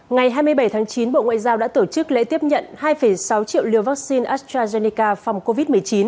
ngày hai mươi bảy tháng chín bộ ngoại giao đã tổ chức lễ tiếp nhận hai sáu triệu liều vaccine astrazeneca phòng covid một mươi chín